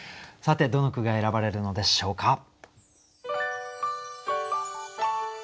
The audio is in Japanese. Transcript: さてどの句が選ばれるのでしょうか。